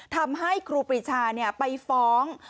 ทำให้ครูปริชาเนี่ยไปฟ้อง